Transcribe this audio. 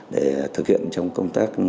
để thực hiện trong công tác